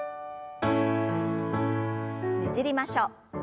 ねじりましょう。